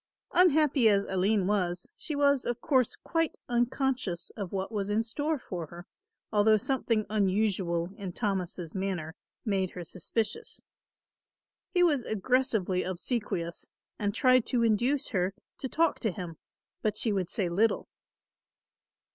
Unhappy as Aline was, she was, of course, quite unconscious of what was in store for her, although something unusual in Thomas' manner made her suspicious. He was aggressively obsequious and tried to induce her to talk to him, but she would say little.